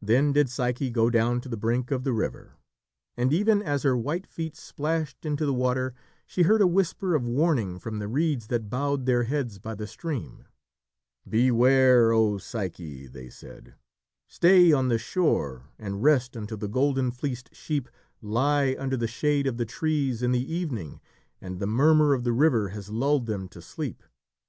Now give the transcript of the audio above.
Then did Psyche go down to the brink of the river, and even as her white feet splashed into the water, she heard a whisper of warning from the reeds that bowed their heads by the stream. "Beware! O Psyche," they said. "Stay on the shore and rest until the golden fleeced sheep lie under the shade of the trees in the evening and the murmur of the river has lulled them to sleep."